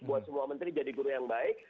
buat semua menteri jadi guru yang baik